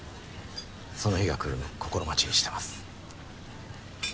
その日が来るのを心待ちにしてます。